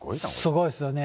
すごいですよね。